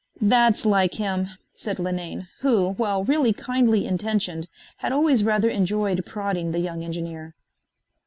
"That's like him," said Linane, who, while really kindly intentioned, had always rather enjoyed prodding the young engineer.